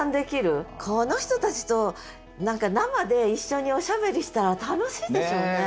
この人たちと何か生で一緒におしゃべりしたら楽しいでしょうね。